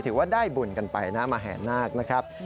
ถือว่าได้บุญกันไปนะมแห่นาคนะครับ